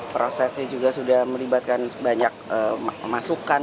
prosesnya juga sudah melibatkan banyak masukan